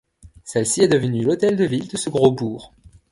Celle-ci est devenue l'hôtel de ville de ce gros bourg.